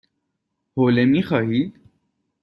حوله می خواهید؟